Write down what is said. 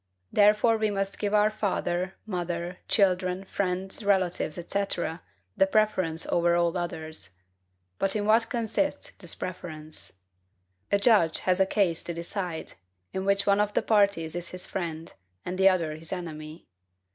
Therefore we must give our father, mother, children, friends, relatives, &c., the preference over all others. But in what consists this preference? A judge has a case to decide, in which one of the parties is his friend, and the other his enemy.